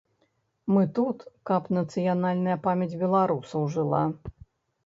Мы тут, каб нацыянальная памяць беларусаў жыла.